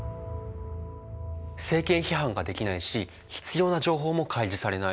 政権批判ができないし必要な情報も開示されない。